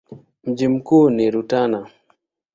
Mji mkuu ni Rutana.